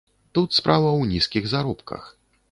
Тут справа ў нізкіх заробках.